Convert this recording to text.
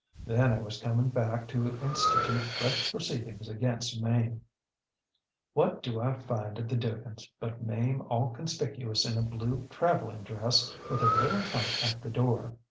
Then I was coming back to institute fresh proceedings against Mame. ŌĆ£What do I find at the DugansŌĆÖ but Mame all conspicuous in a blue travelling dress, with her little trunk at the door.